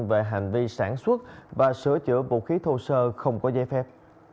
về hành vi sản xuất và sửa chữa vũ khí thô sơ không có giấy phép